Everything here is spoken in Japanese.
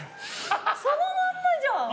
そのまんまじゃん。